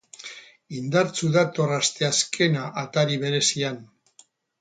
Indartsu dator asteazkena atari berezian.